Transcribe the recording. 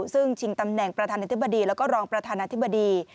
ซึ่งชิงตำแหน่งประธานาธิบดีแล้วก็รองประธานาธิบดี